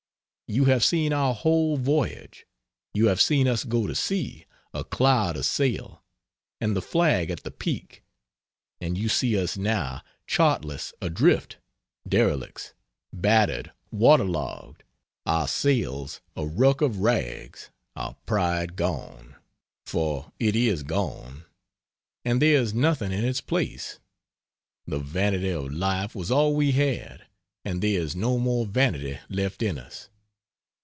You have seen our whole voyage. You have seen us go to sea, a cloud of sail and the flag at the peak; and you see us now, chartless, adrift derelicts; battered, water logged, our sails a ruck of rags, our pride gone. For it is gone. And there is nothing in its place. The vanity of life was all we had, and there is no more vanity left in us.